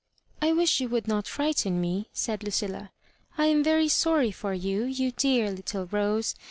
"I wish you would not frighten me," said Lucilla; I am very sorry for you, you dear little Rose.